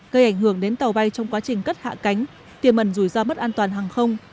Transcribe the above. gây ảnh hưởng đến tàu bay trong quá trình cất hạ cánh tiềm ẩn rủi ro mất an toàn hàng không